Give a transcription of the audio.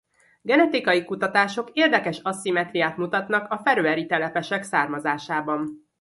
Genetikai kutatások érdekes aszimmetriát mutatnak a feröeri telepesek származásában.